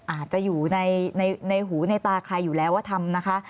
อาจจะอยู่ในหูในตาใครอยู่แล้วว่าทำนะคะ